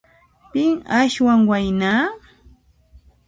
Pin aswan wayna?